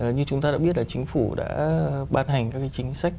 như chúng ta đã biết là chính phủ đã ban hành các cái chính sách